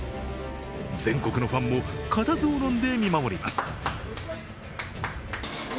全国のファンも固唾をのんで見守ります。